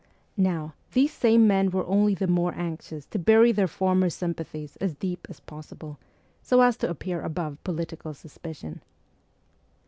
Now, these same men were only the more anxious to bury their former sympathies as deep as possible, so as to appear above political suspicion.